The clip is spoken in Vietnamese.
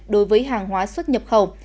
đối với hàng hóa xuất nhập khẩu